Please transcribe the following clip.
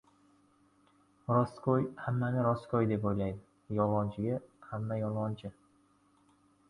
• Rostgo‘y hammani ro‘stgo‘y deb o‘ylaydi, yolg‘onchiga hamma yolg‘onchi.